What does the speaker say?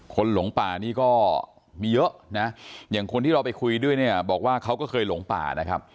หลงป่านี่ก็มีเยอะนะอย่างคนที่เราไปคุยด้วยเนี่ยบอกว่าเขาก็เคยหลงป่านะครับ